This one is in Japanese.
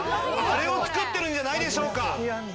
あれを作ってるんじゃないでしょうか？